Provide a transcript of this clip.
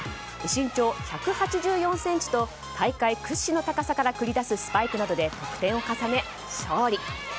身長１８４ｃｍと大会屈指の高さから繰り出すスパイクなどで得点を重ね勝利。